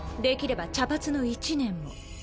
できれば茶髪の一年も。